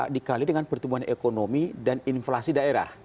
dikali dengan pertumbuhan ekonomi dan inflasi daerah